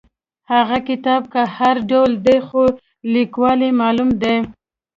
هغه کتاب که هر ډول دی خو لیکوال یې معلوم دی.